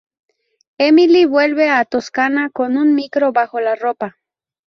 Emily vuelve a la Toscana con un micro bajo la ropa.